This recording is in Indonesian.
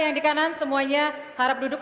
yang di kanan semuanya harap duduk